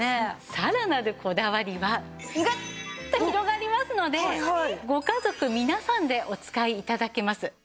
さらなるこだわりはグッと広がりますのでご家族皆さんでお使い頂けます。